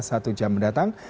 satu jam mendatang